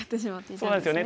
そうなんですよね